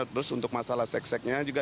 terus untuk masalah sekseknya juga